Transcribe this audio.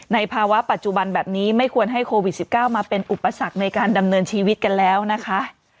ในภาวะปัจจุบันแบบนี้ไม่ควรให้โควิด๑๙มาเป็นอุปสรรคในการดำเนินชีวิตกันแล้วนะคะ